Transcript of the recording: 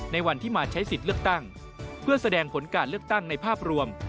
ในวันที่มาใช้สิทธิ์เลือกตั้งเพื่อแสดงผลการเลือกตั้งในภาพรวม